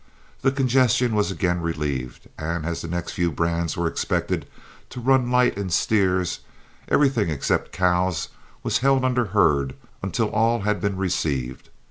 The congestion was again relieved, and as the next few brands were expected to run light in steers, everything except cows was held under herd until all had been received.